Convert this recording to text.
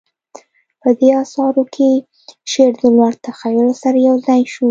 په دې اثارو کې شعر د لوړ تخیل سره یوځای شو